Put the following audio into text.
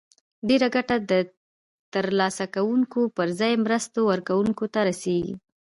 ډیره ګټه د تر لاسه کوونکو پر ځای مرستو ورکوونکو ته رسیږي.